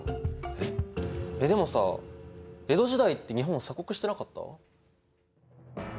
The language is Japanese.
えっでもさ江戸時代って日本は鎖国してなかった？